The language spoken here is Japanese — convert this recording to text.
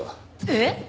えっ？